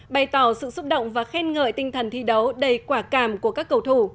bày tỏ sự xúc động và khen ngợi tinh thần thi đấu đầy quả cảm của các cầu thủ